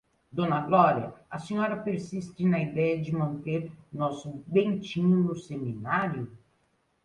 Dona Glória, a senhora persiste na idéia de meter o nosso Bentinho no seminário?